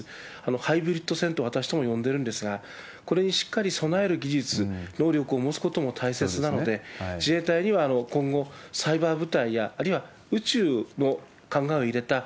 ハイブリッド戦と私ども呼んでるんですが、これにしっかり備える技術、能力を持つことも大切なので、自衛隊には今後、サイバー部隊や、あるいは宇宙の考えを入れた、